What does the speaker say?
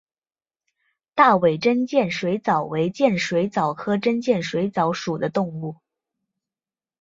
大尾真剑水蚤为剑水蚤科真剑水蚤属的动物。